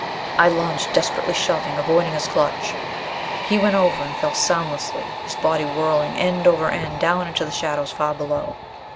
I lunged, desperately shoving, avoiding his clutch. He went over, and fell soundlessly, his body whirling end over end down into the shadows, far below.